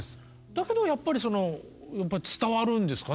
だけどやっぱり伝わるんですかね。